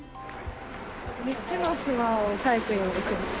３つの島をサイクリングします。